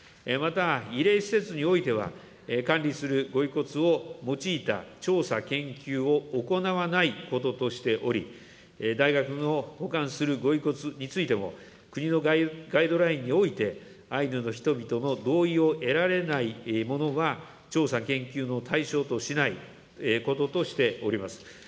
また慰霊施設においては、管理するご遺骨を用いた調査・研究を行わないこととしており、大学の保管するご遺骨についても、国のガイドラインにおいて、アイヌの人々の同意を得られないものは調査・研究の対象としないこととしております。